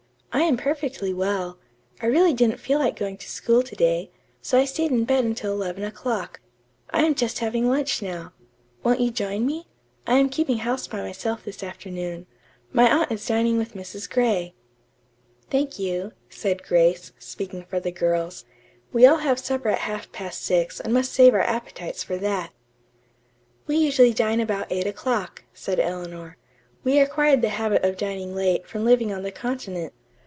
"I am perfectly well. I really didn't feel like going to school to day, so I stayed in bed until eleven o'clock. I am just having lunch now. Won't you join me? I am keeping house by myself this afternoon. My aunt is dining with Mrs. Gray." "Thank you," said Grace, speaking for the girls. "We all have supper at half past six and must save our appetites for that." "We usually dine about eight o'clock," said Eleanor. "We acquired the habit of dining late from living on the continent.